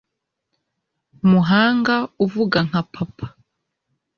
umuhanga, uvuga nka papa